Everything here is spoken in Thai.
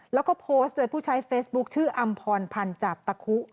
แล้วก็โพสต์โดยผู้ใช้เฟซบุ๊คชื่ออำพรพันธ์จาบตะคุ